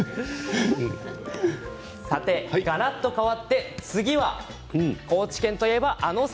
さてがらっと変わって次は高知県といえばあの魚。